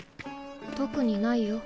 特にないよ